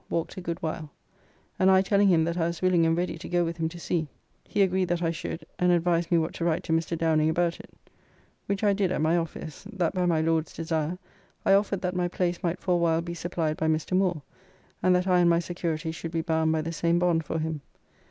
] walked a good while; and I telling him that I was willing and ready to go with him to sea, he agreed that I should, and advised me what to write to Mr. Downing about it, which I did at my office, that by my Lord's desire I offered that my place might for a while be supplied by Mr. Moore, and that I and my security should be bound by the same bond for him.